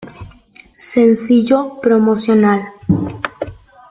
Sencillo Promocional